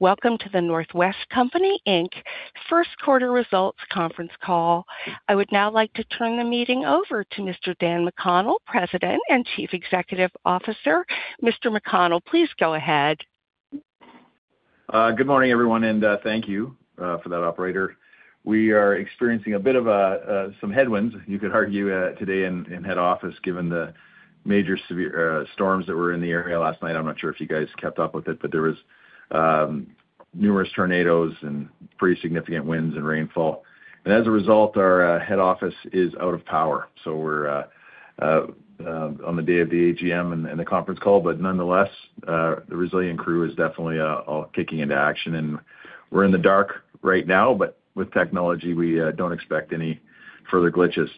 Welcome to The North West Company Inc. First Quarter Results Conference Call. I would now like to turn the meeting over to Mr. Dan McConnell, President and Chief Executive Officer. Mr. McConnell, please go ahead. Good morning, everyone, thank you for that, operator. We are experiencing a bit of some headwinds, you could argue, today in head office, given the major severe storms that were in the area last night. I'm not sure if you guys kept up with it, but there was numerous tornadoes and pretty significant winds and rainfall. As a result, our head office is out of power, we're on the day of the AGM and the conference call, nonetheless, the resilient crew is definitely all kicking into action, we're in the dark right now, with technology, we don't expect any further glitches.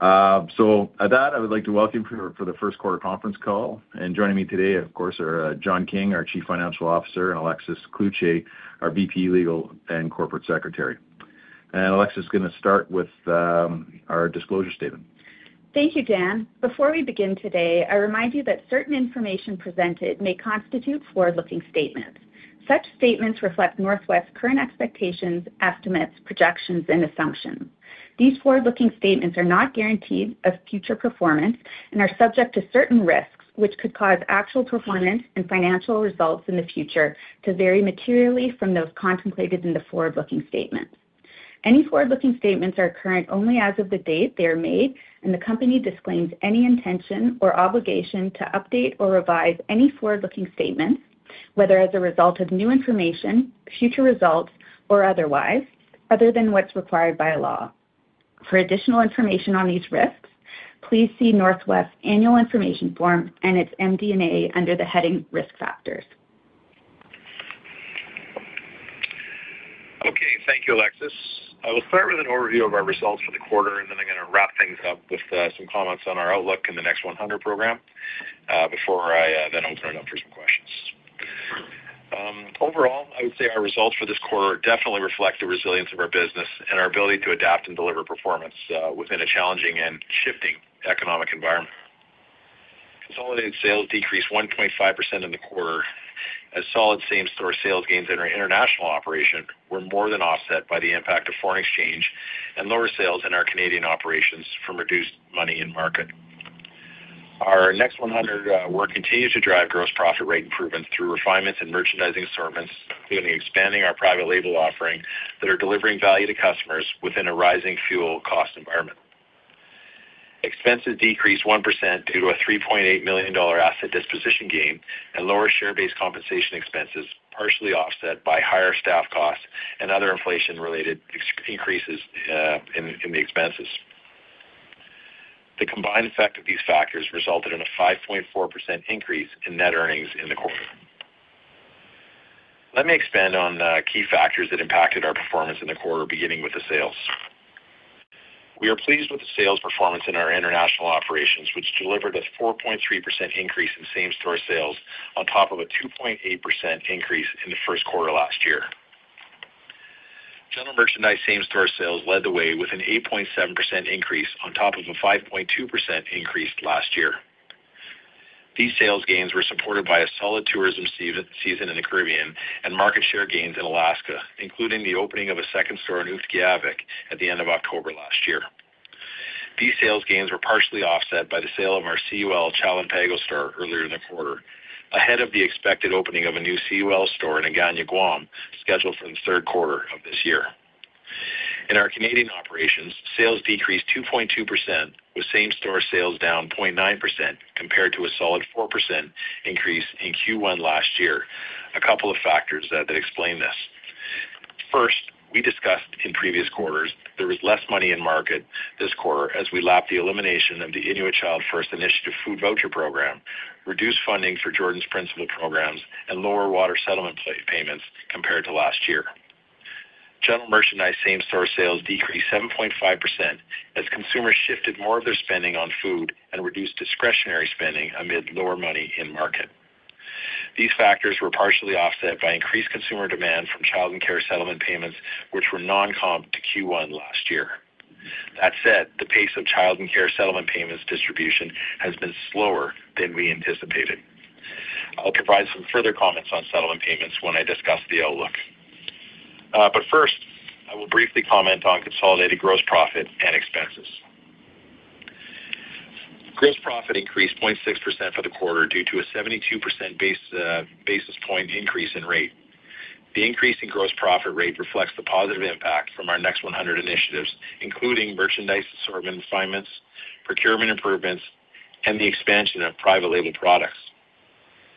With that, I would like to welcome you for the first quarter conference call, joining me today, of course, are John King, our Chief Financial Officer, and Alexis Cloutier, our VP, Legal and Corporate Secretary. Alexis is going to start with our disclosure statement. Thank you, Dan. Before we begin today, I remind you that certain information presented may constitute forward-looking statements. Such statements reflect North West's current expectations, estimates, projections, and assumptions. These forward-looking statements are not guarantees of future performance and are subject to certain risks, which could cause actual performance and financial results in the future to vary materially from those contemplated in the forward-looking statements. The company disclaims any intention or obligation to update or revise any forward-looking statements, whether as a result of new information, future results, or otherwise, other than what's required by law. For additional information on these risks, please see North West's annual information form and its MD&A under the heading Risk Factors. Okay. Thank you, Alexis. I will start with an overview of our results for the quarter, and then I'm going to wrap things up with some comments on our outlook in the Next 100 program before I then open it up for some questions. Overall, I would say our results for this quarter definitely reflect the resilience of our business and our ability to adapt and deliver performance within a challenging and shifting economic environment. Consolidated sales decreased 1.5% in the quarter as solid same-store sales gains in our international operation were more than offset by the impact of foreign exchange and lower sales in our Canadian operations from reduced money in market. Our Next 100 work continues to drive gross profit rate improvements through refinements in merchandising assortments, including expanding our private label offering that are delivering value to customers within a rising fuel cost environment. Expenses decreased 1% due to a 3.8 million dollar asset disposition gain and lower share-based compensation expenses, partially offset by higher staff costs and other inflation-related increases in the expenses. The combined effect of these factors resulted in a 5.4% increase in net earnings in the quarter. Let me expand on the key factors that impacted our performance in the quarter, beginning with the sales. We are pleased with the sales performance in our international operations, which delivered a 4.3% increase in same-store sales on top of a 2.8% increase in the first quarter last year. General merchandise same-store sales led the way with an 8.7% increase on top of a 5.2% increase last year. These sales gains were supported by a solid tourism season in the Caribbean and market share gains in Alaska, including the opening of a second store in Utqiagvik at the end of October last year. These sales gains were partially offset by the sale of our Cost-U-Less Chalan Pago store earlier in the quarter, ahead of the expected opening of a new Cost-U-Less store in Agana, Guam, scheduled for the third quarter of this year. In our Canadian operations, sales decreased 2.2%, with same-store sales down 0.9%, compared to a solid 4% increase in Q1 last year. A couple of factors that explain this. First, we discussed in previous quarters there was less money in market this quarter as we lapped the elimination of the Inuit Child First Initiative food voucher program, reduced funding for Jordan's Principle, and lower water settlement payments compared to last year. General merchandise same-store sales decreased 7.5% as consumers shifted more of their spending on food and reduced discretionary spending amid lower money in market. These factors were partially offset by increased consumer demand from child and care settlement payments, which were non-comp to Q1 last year. That said, the pace of child and care settlement payments distribution has been slower than we anticipated. I'll provide some further comments on settlement payments when I discuss the outlook. First, I will briefly comment on consolidated gross profit and expenses. Gross profit increased 0.6% for the quarter due to a 72 basis point increase in rate. The increase in gross profit rate reflects the positive impact from our Next 100 initiatives, including merchandise assortment refinements, procurement improvements, and the expansion of private label products.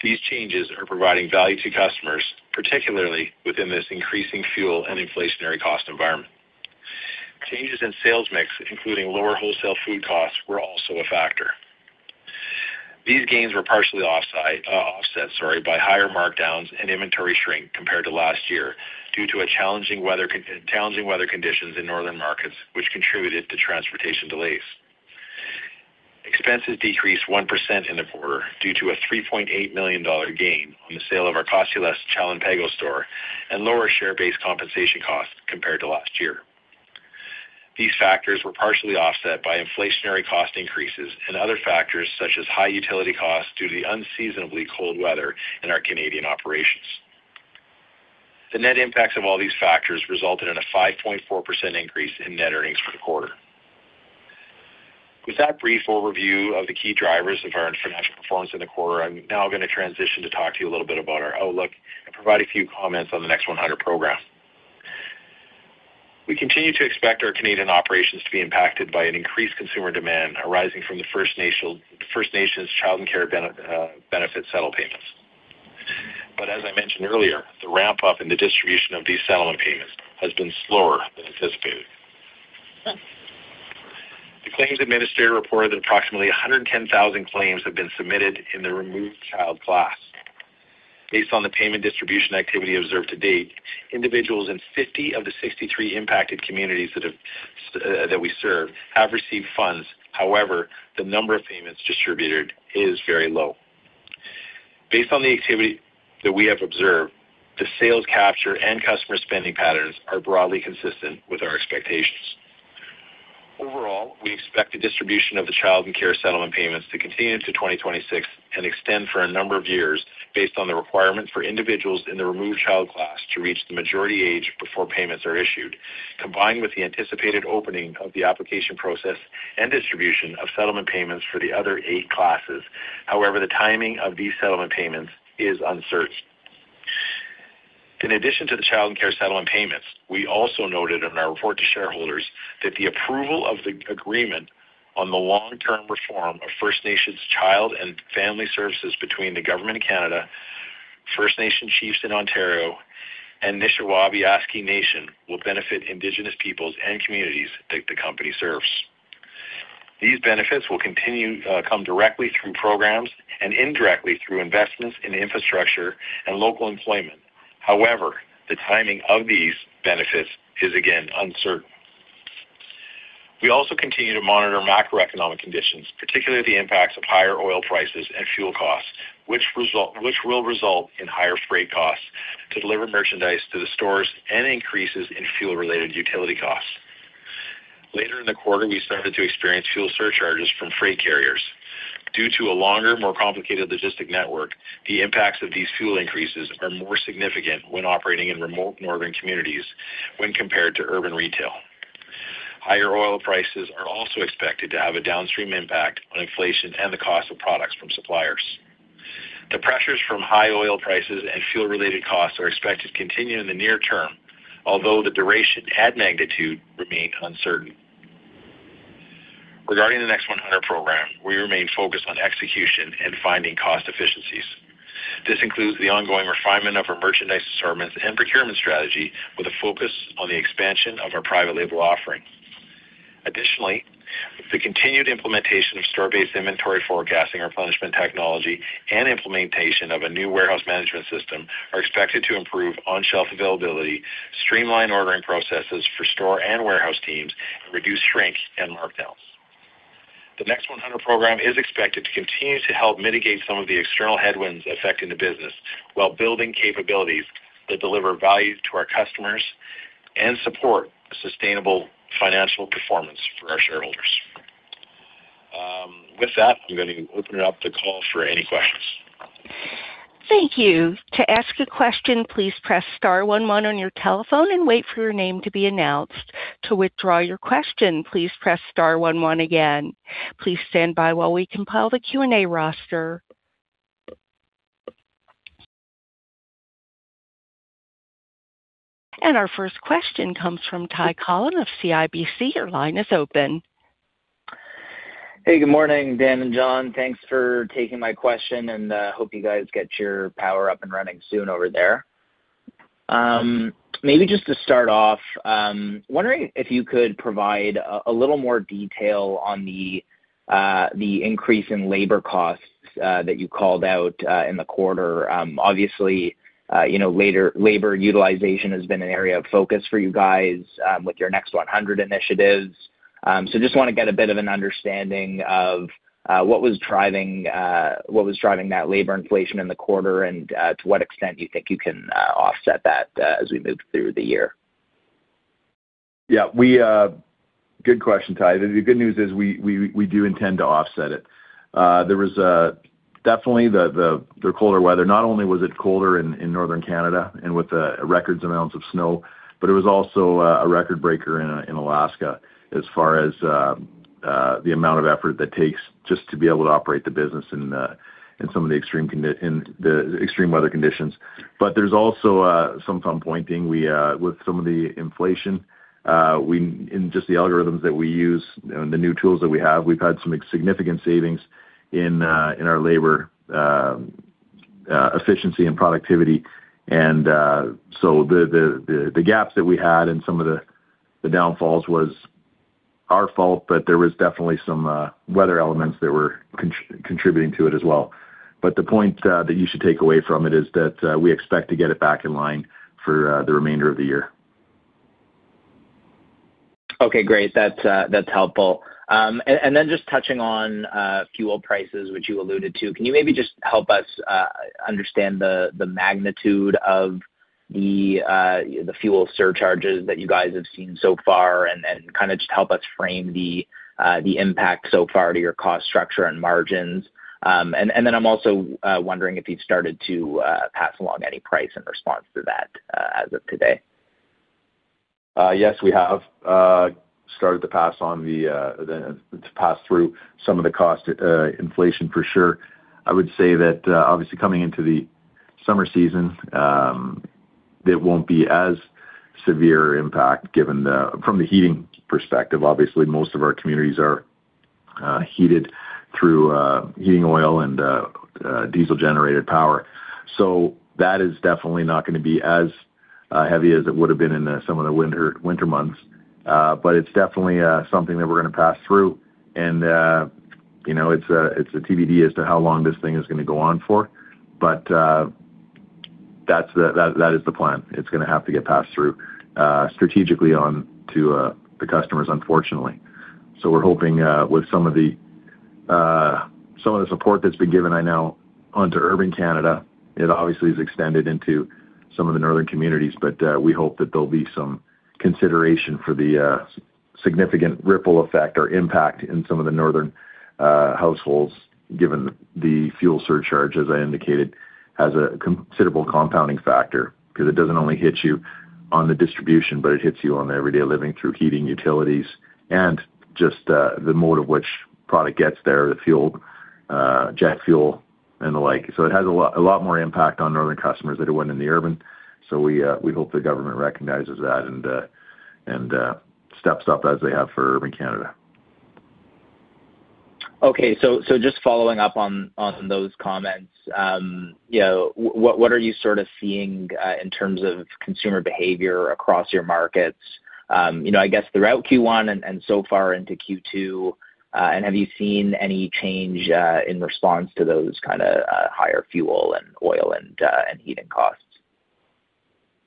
These changes are providing value to customers, particularly within this increasing fuel and inflationary cost environment. Changes in sales mix, including lower wholesale food costs, were also a factor. These gains were partially offset by higher markdowns and inventory shrink compared to last year due to challenging weather conditions in northern markets, which contributed to transportation delays. Expenses decreased 1% in the quarter due to a 3.8 million dollar gain on the sale of our Cost-U-Less Chalan Pago store and lower share-based compensation costs compared to last year. These factors were partially offset by inflationary cost increases and other factors such as high utility costs due to the unseasonably cold weather in our Canadian operations. The net impacts of all these factors resulted in a 5.4% increase in net earnings for the quarter. With that brief overview of the key drivers of our financial performance in the quarter, I am now going to transition to talk to you a little bit about our outlook and provide a few comments on the Next 100 program. We continue to expect our Canadian operations to be impacted by an increased consumer demand arising from the First Nations Child and Family Services settlement payments. As I mentioned earlier, the ramp-up in the distribution of these settlement payments has been slower than anticipated. The claims administrator reported that approximately 110,000 claims have been submitted in the removed child class. Based on the payment distribution activity observed to date, individuals in 50 of the 63 impacted communities that we serve have received funds. However, the number of payments distributed is very low. Based on the activity that we have observed, the sales capture and customer spending patterns are broadly consistent with our expectations. Overall, we expect the distribution of the child and care settlement payments to continue into 2026 and extend for a number of years based on the requirement for individuals in the removed child class to reach the majority age before payments are issued, combined with the anticipated opening of the application process and distribution of settlement payments for the other eight classes. However, the timing of these settlement payments is uncertain. In addition to the child and care settlement payments, we also noted in our report to shareholders that the approval of the agreement on the long-term reform of First Nations Child and Family Services between the Government of Canada, First Nation chiefs in Ontario, and Nishnawbe Aski Nation will benefit indigenous peoples and communities that the company serves. These benefits will continue to come directly through programs and indirectly through investments in infrastructure and local employment. However, the timing of these benefits is again uncertain. We also continue to monitor macroeconomic conditions, particularly the impacts of higher oil prices and fuel costs, which will result in higher freight costs to deliver merchandise to the stores and increases in fuel-related utility costs. Later in the quarter, we started to experience fuel surcharges from freight carriers. Due to a longer, more complicated logistic network, the impacts of these fuel increases are more significant when operating in remote northern communities when compared to urban retail. Higher oil prices are also expected to have a downstream impact on inflation and the cost of products from suppliers. The pressures from high oil prices and fuel-related costs are expected to continue in the near term, although the duration and magnitude remain uncertain. Regarding the Next 100 program, we remain focused on execution and finding cost efficiencies. This includes the ongoing refinement of our merchandise assortment and procurement strategy with a focus on the expansion of our private label offering. The continued implementation of store-based inventory forecasting, replenishment technology, and implementation of a new warehouse management system are expected to improve on-shelf availability, streamline ordering processes for store and warehouse teams, and reduce shrink and markdowns. The Next 100 program is expected to continue to help mitigate some of the external headwinds affecting the business while building capabilities that deliver value to our customers and support a sustainable financial performance for our shareholders. With that, I'm going to open up the call for any questions. Thank you. To ask a question, please press star one one on your telephone and wait for your name to be announced. To withdraw your question, please press star one one again. Please stand by while we compile the Q&A roster. Our first question comes from Ty Collin of CIBC. Your line is open. Hey, good morning, Dan and John. Thanks for taking my question, and hope you guys get your power up and running soon over there. Maybe just to start off, wondering if you could provide a little more detail on the increase in labor costs that you called out in the quarter. Obviously, labor utilization has been an area of focus for you guys with your Next 100 initiatives. Just want to get a bit of an understanding of what was driving that labor inflation in the quarter and to what extent you think you can offset that as we move through the year. Good question, Ty. The good news is we do intend to offset it. There was definitely the colder weather. Not only was it colder in northern Canada and with records amounts of snow, it was also a record-breaker in Alaska as far as the amount of effort that takes just to be able to operate the business in the extreme weather conditions. There's also some fine pointing with some of the inflation, in just the algorithms that we use and the new tools that we have, we've had some significant savings in our labor efficiency and productivity. The gaps that we had and some of the downfalls was our fault, but there was definitely some weather elements that were contributing to it as well. The point that you should take away from it is that we expect to get it back in line for the remainder of the year. Okay, great. That's helpful. Just touching on fuel prices, which you alluded to, can you maybe just help us understand the magnitude of the fuel surcharges that you guys have seen so far and just help us frame the impact so far to your cost structure and margins. I'm also wondering if you've started to pass along any price in response to that as of today. Yes, we have started to pass through some of the cost inflation for sure. I would say that obviously coming into the summer season it won't be as severe impact given from the heating perspective, obviously most of our communities are heated through heating oil and diesel-generated power. That is definitely not going to be as heavy as it would've been in some of the winter months. It's definitely something that we're going to pass through and it's a TBD as to how long this thing is going to go on for. That is the plan. It's going to have to get passed through strategically on to the customers, unfortunately. We're hoping with some of the support that's been given now onto urban Canada, it obviously has extended into some of the northern communities, we hope that there'll be some consideration for the significant ripple effect or impact in some of the northern households given the fuel surcharge, as I indicated, has a considerable compounding factor, because it doesn't only hit you on the distribution, but it hits you on the everyday living through heating utilities and just the mode of which product gets there, the jet fuel and the like. It has a lot more impact on northern customers than it would in the urban. We hope the Government recognizes that and steps up as they have for urban Canada. Okay. Just following up on those comments, what are you sort of seeing in terms of consumer behavior across your markets? I guess throughout Q1 and so far into Q2, have you seen any change in response to those kind of higher fuel and oil and heating costs?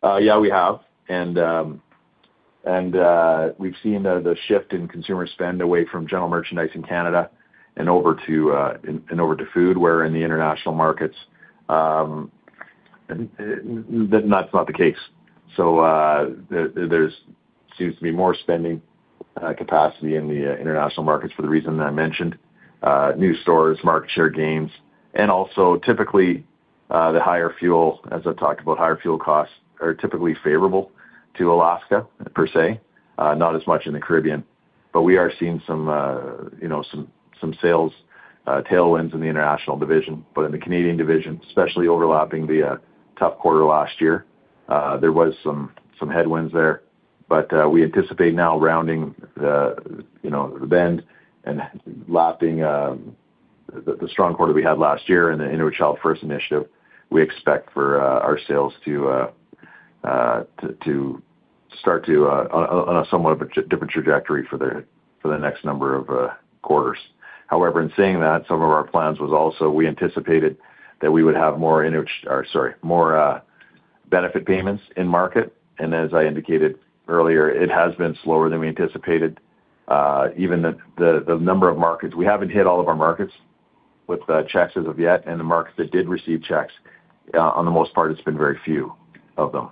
Yeah, we have. We've seen the shift in consumer spend away from general merchandise in Canada and over to food, where in the international markets that's not the case. There's seems to be more spending capacity in the international markets for the reason that I mentioned, new stores, market share gains, and also typically the higher fuel, as I've talked about, higher fuel costs are typically favorable to Alaska per se, not as much in the Caribbean. We are seeing some sales tailwinds in the international division. In the Canadian division, especially overlapping the tough quarter last year there was some headwinds there. We anticipate now rounding the bend and lapping the strong quarter we had last year in the Inuit Child First Initiative. We expect for our sales to start to on a somewhat of a different trajectory for the next number of quarters. However, in saying that, some of our plans was also we anticipated that we would have more benefit payments in market. As I indicated earlier, it has been slower than we anticipated even the number of markets. We haven't hit all of our markets with checks as of yet, and the markets that did receive checks on the most part, it's been very few of them.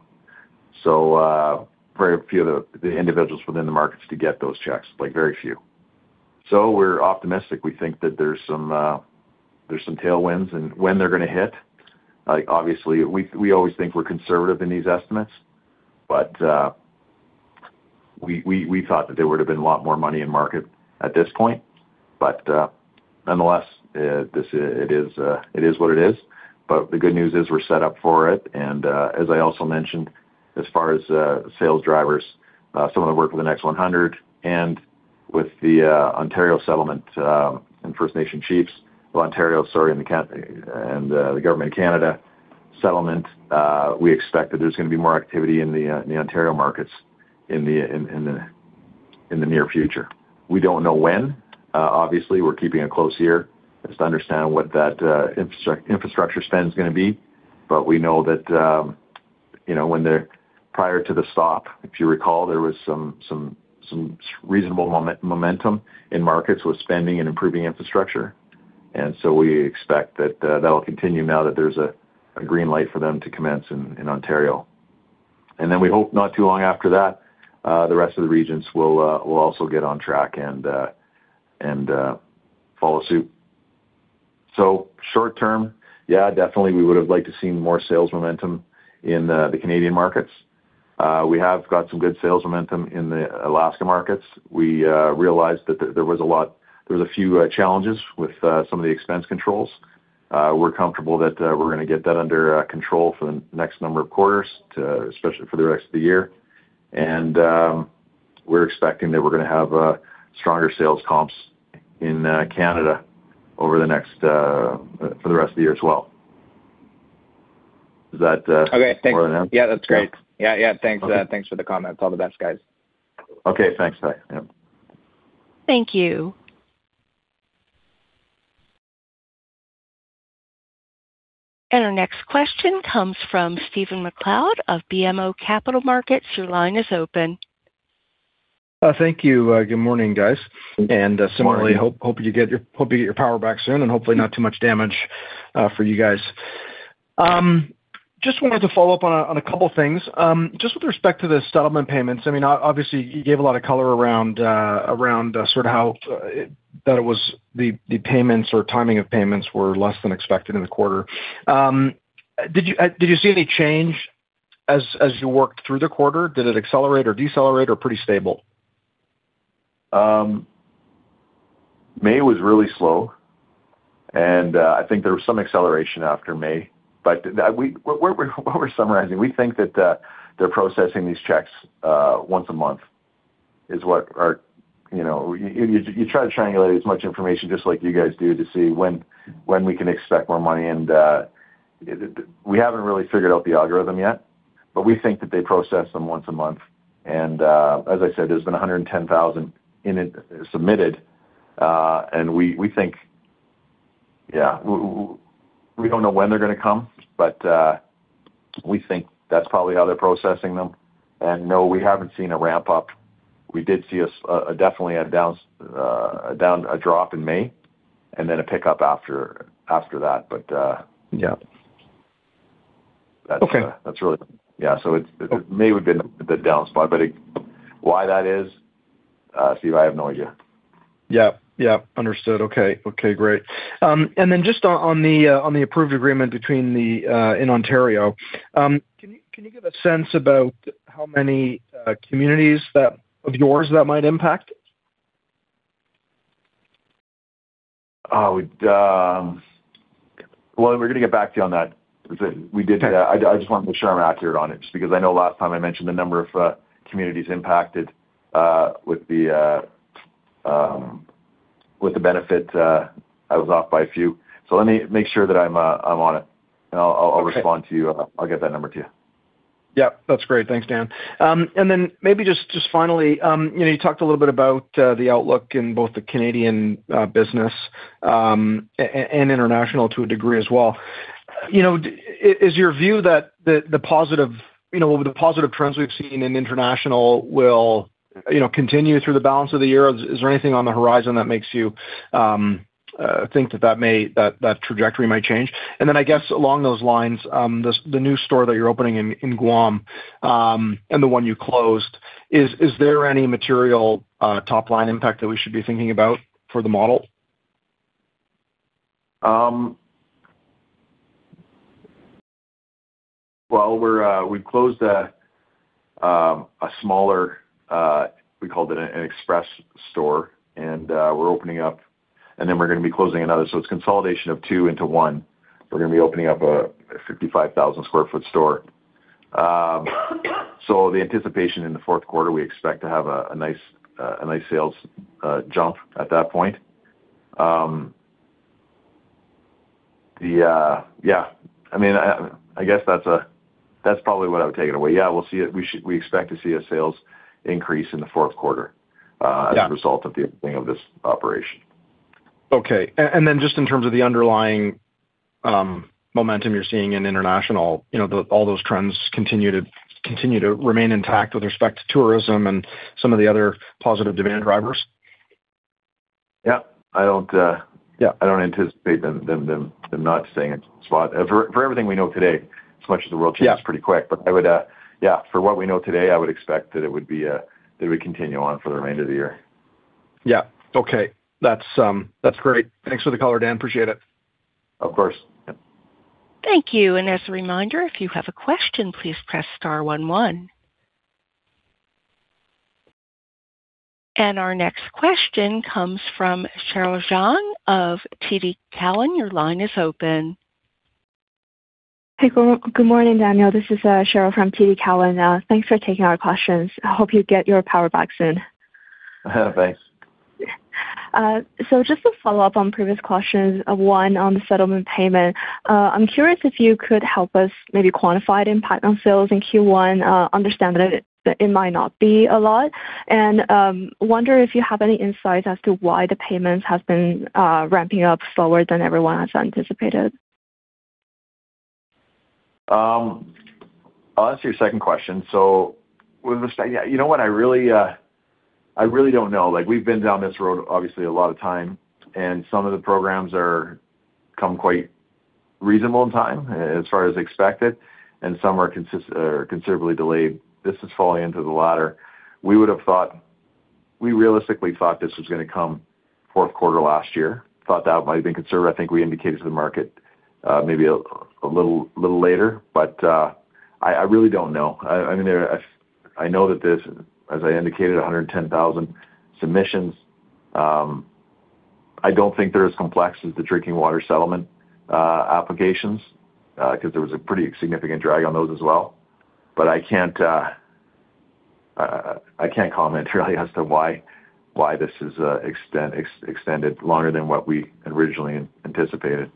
Very few of the individuals within the markets to get those checks, like very few. We're optimistic. We think that there's some tailwinds and when they're going to hit, obviously we always think we're conservative in these estimates, we thought that there would've been a lot more money in market at this point. Nonetheless, it is what it is. The good news is we're set up for it. As I also mentioned, as far as sales drivers some of the work with the Next 100 and with the Ontario settlement and First Nation chiefs, well, Ontario, sorry, and the Government of Canada settlement we expect that there's going to be more activity in the Ontario markets in the near future. We don't know when. Obviously, we're keeping a close ear just to understand what that infrastructure spend's going to be. We know that when they're prior to the stop, if you recall, there was some reasonable momentum in markets with spending and improving infrastructure, we expect that that'll continue now that there's a green light for them to commence in Ontario. We hope not too long after that the rest of the regions will also get on track and follow suit. Short term, yeah, definitely we would've liked to seen more sales momentum in the Canadian markets. We have got some good sales momentum in the Alaska markets. We realized that there was a few challenges with some of the expense controls. We're comfortable that we're going to get that under control for the next number of quarters to, especially for the rest of the year. We're expecting that we're going to have stronger sales comps in Canada for the rest of the year as well. Is that thorough enough? Okay, thanks. Yeah, that's great. Thanks. Yeah. Thanks. Okay. Thanks for the comments. All the best, guys. Okay, thanks. Bye. Yep. Thank you. Our next question comes from Stephen MacLeod of BMO Capital Markets. Your line is open. Thank you. Good morning, guys. Good morning. Similarly, hope you get your power back soon and hopefully not too much damage for you guys. Just wanted to follow up on a couple things. Just with respect to the settlement payments, obviously you gave a lot of color around sort of how the payments or timing of payments were less than expected in the quarter. Did you see any change as you worked through the quarter? Did it accelerate or decelerate or pretty stable? May was really slow, and I think there was some acceleration after May. What we're summarizing, we think that they're processing these checks once a month. You try to triangulate as much information just like you guys do, to see when we can expect more money. We haven't really figured out the algorithm yet, but we think that they process them once a month. As I said, there's been 110,000 submitted. We think, yeah, we don't know when they're going to come, but we think that's probably how they're processing them. No, we haven't seen a ramp up. We did see definitely a drop in May and then a pickup after that. Yeah. Okay that's really. Yeah. May would've been the down spot, but why that is, Steve, I have no idea. Yep. Understood. Okay, great. Then just on the approved agreement in Ontario, can you give a sense about how many communities of yours that might impact? Well, we're going to get back to you on that. Okay. I just wanted to make sure I'm accurate on it, just because I know last time I mentioned the number of communities impacted with the benefit, I was off by a few. Let me make sure that I'm on it. Okay. I'll respond to you. I'll get that number to you. Yep. That's great. Thanks, Dan. Maybe just finally, you talked a little bit about the outlook in both the Canadian business and international to a degree as well. Is your view that the positive trends we've seen in international will continue through the balance of the year? Is there anything on the horizon that makes you think that trajectory might change? I guess along those lines, the new store that you're opening in Guam and the one you closed, is there any material top-line impact that we should be thinking about for the model? Well, we've closed a smaller, we called it an express store, and we're opening up, and then we're going to be closing another. It's consolidation of two into one. We're going to be opening up a 55,000 sq ft store. The anticipation in the fourth quarter, we expect to have a nice sales jump at that point. Yeah. I guess that's probably what I would take it away. Yeah, we expect to see a sales increase in the fourth quarter- Yeah as a result of the opening of this operation. Okay. Then just in terms of the underlying momentum you're seeing in international, all those trends continue to remain intact with respect to tourism and some of the other positive demand drivers? Yeah. Yeah. I don't anticipate them not staying in spot. For everything we know today, as much as the world changes. Yeah Pretty quick. Yeah, for what we know today, I would expect that it would continue on for the remainder of the year. Yeah. Okay. That's great. Thanks for the color, Dan. Appreciate it. Of course. Yep. Thank you. As a reminder, if you have a question, please press star one one. Our next question comes from Cheryl Zhang of TD Cowen. Your line is open. Hey. Good morning, Daniel. This is Cheryl from TD Cowen. Thanks for taking our questions. I hope you get your power back soon. Thanks. Just a follow-up on previous questions, one on the settlement payment. I'm curious if you could help us maybe quantify the impact on sales in Q1. Understand that it might not be a lot, and wonder if you have any insights as to why the payments have been ramping up slower than everyone has anticipated. I'll answer your second question. You know what, I really don't know. We've been down this road, obviously, a lot of time, and some of the programs come quite reasonable in time as far as expected, and some are considerably delayed. This is falling into the latter. We realistically thought this was going to come fourth quarter last year. Thought that might've been conservative. I think we indicated to the market maybe a little later. I really don't know. I know that there's, as I indicated, 110,000 submissions. I don't think they're as complex as the drinking water settlement applications, because there was a pretty significant drag on those as well. I can't comment really as to why this is extended longer than what we originally anticipated.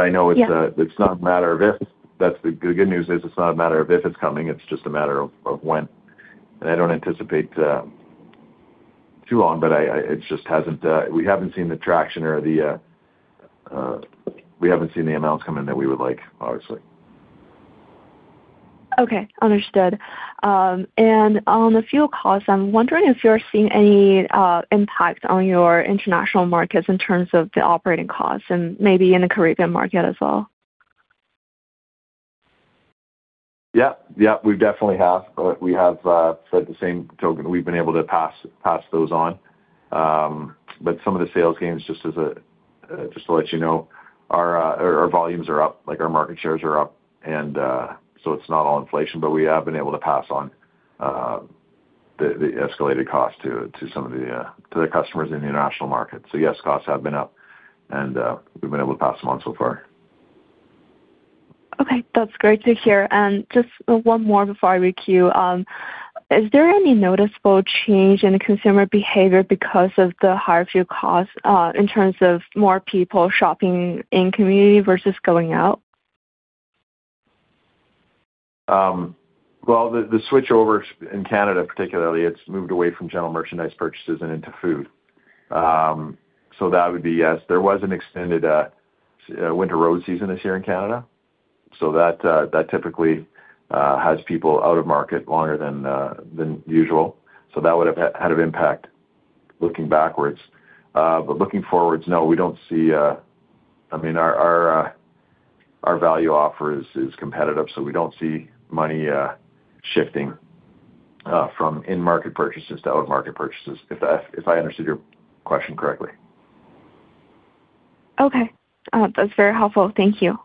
I know it's not a matter of if. Yeah The good news is it's not a matter of if it's coming, it's just a matter of when. I don't anticipate. We haven't seen the traction or the amounts come in that we would like, obviously. Okay, understood. On the fuel costs, I'm wondering if you're seeing any impact on your international markets in terms of the operating costs and maybe in the Caribbean market as well. Yeah. We definitely have. We have said the same token. We've been able to pass those on. Some of the sales gains, just to let you know, our volumes are up, our market shares are up. It's not all inflation, but we have been able to pass on the escalated cost to the customers in the international market. Yes, costs have been up, and we've been able to pass them on so far. Okay. That's great to hear. Just one more before I queue. Is there any noticeable change in consumer behavior because of the higher fuel costs, in terms of more people shopping in community versus going out? Well, the switchover in Canada particularly, it's moved away from general merchandise purchases and into food. That would be yes. There was an extended winter road season this year in Canada. That typically has people out of market longer than usual. That would've had an impact looking backwards. Looking forwards, no, our value offer is competitive, we don't see money shifting from in-market purchases to out-of-market purchases, if I understood your question correctly. Okay. That's very helpful. Thank you.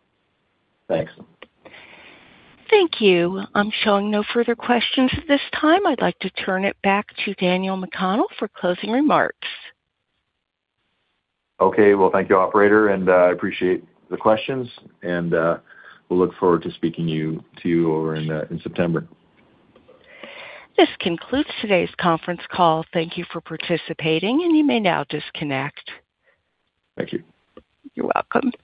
Thanks. Thank you. I'm showing no further questions at this time. I'd like to turn it back to Daniel McConnell for closing remarks. Okay. Well, thank you, operator, and I appreciate the questions, and we'll look forward to speaking to you over in September. This concludes today's conference call. Thank you for participating, and you may now disconnect. Thank you. You're welcome.